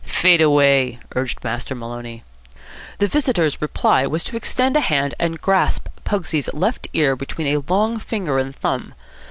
"Fade away," urged Master Maloney. The visitor's reply was to extend a hand and grasp Pugsy's left ear between a long finger and thumb.